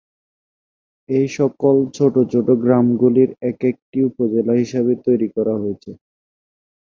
এই সকল ছোট ছোট গ্রামগুলির একেকটি উপজেলা হিসাবে তৈরী করা হয়েছে।